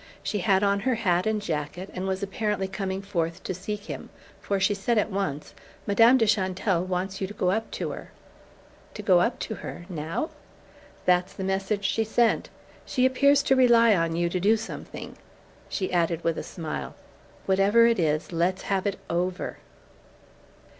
She had on her hat and jacket and was apparently coming forth to seek him, for she said at once: "Madame de Chantelle wants you to go up to her." "To go up to her? Now?" "That's the message she sent. She appears to rely on you to do something." She added with a smile: "Whatever it is, let's have it over!"